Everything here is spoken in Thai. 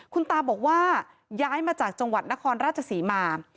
คุณตาบอกว่าย้ายมาจากจังหวัดนครราชศรีมา